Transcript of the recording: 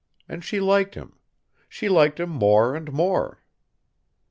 And she liked him. She liked him more and more.